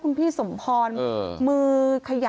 คุณสมพรค่ะ